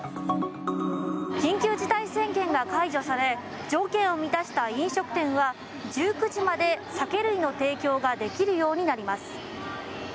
緊急事態宣言が解除され条件を満たした飲食店は１９時まで酒類の提供ができるようになります。